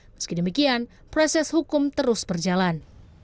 meski demikian proses hukum terus berjalan